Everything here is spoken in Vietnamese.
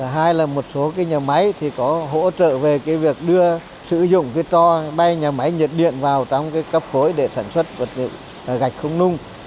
hai là một số nhà máy có hỗ trợ về việc đưa sử dụng cho bay nhà máy nhiệt điện vào trong cấp khối để sản xuất vật liệu gạch không nung